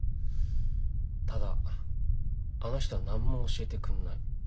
ただあの人は何も教えてくんない。